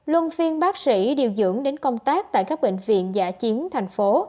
luân phiên bác sĩ điều dưỡng đến công tác tại các bệnh viện giả chiến thành phố